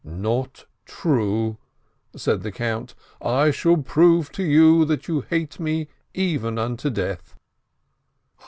"Not true!" said the Count. "I shall prove to you that you hate me even unto death."